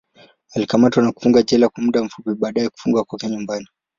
Alikamatwa na kufungwa jela kwa muda fupi, baadaye kufungwa kwake nyumbani.